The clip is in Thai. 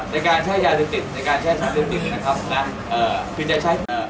ในการใช้ยาเสพติดในการใช้สารเสพติดนะครับนะเอ่อเพียงจะใช้เอ่อ